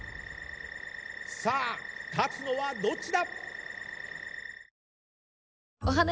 さあ勝つのはどっちだ？